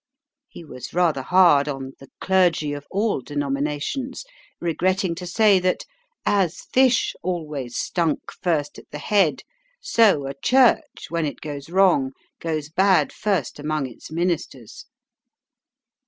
He was rather hard on "the clergy of all denominations," regretting to say that "as fish always stunk first at the head, so a Church when it goes wrong goes bad first among its ministers."